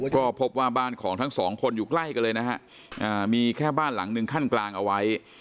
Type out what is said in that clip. ก็พบว่าบ้านของทั้งสองคนอยู่ใกล้กันเลยนะฮะมีแค่บ้านหลังหนึ่งขั้นกลางเอาไว้